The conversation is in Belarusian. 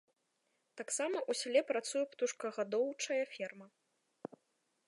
Таксама ў сяле працуе птушкагадоўчая ферма.